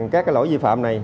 các cái lỗi dự phạm này